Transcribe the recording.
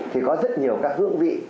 thì có rất nhiều các hương vị